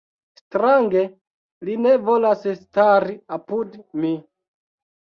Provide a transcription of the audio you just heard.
Strange li ne volas stari apud mi.